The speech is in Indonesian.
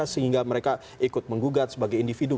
sehingga mereka ikut menggugat sebagai individu